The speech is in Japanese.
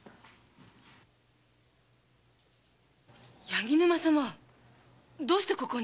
柳沼様どうしてここに？